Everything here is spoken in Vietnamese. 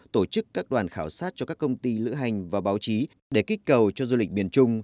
tổ chức các đoàn khảo sát cho các công ty lữ hành và báo chí để kích cầu cho du lịch miền trung